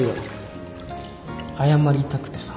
謝りたくてさ。